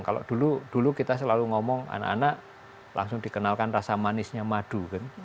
kalau dulu kita selalu ngomong anak anak langsung dikenalkan rasa manisnya madu kan